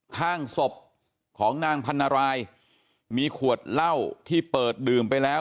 ข้างศพของนางพันรายมีขวดเหล้าที่เปิดดื่มไปแล้ว